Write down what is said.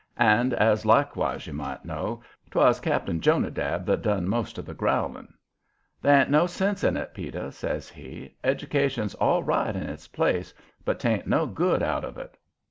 And, as likewise you might know, 'twas Cap'n Jonadab that done the most of the growling. "They ain't no sense in it, Peter," says he. "Education's all right in its place, but 'tain't no good out of it.